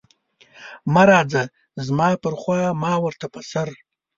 مه راځه زما پر خوا ما ورته په سر.